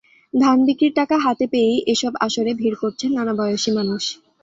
ধান বিক্রির টাকা হাতে পেয়েই এসব আসরে ভিড় করছে নানা বয়সী মানুষ।